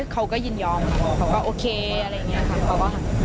เขาก็ยินยอมเขาก็โอเคอะไรอย่างนี้ค่ะ